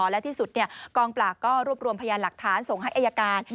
และที่สุดกองปราบก็รวบรวมพยานหลักฐานส่งให้อายการ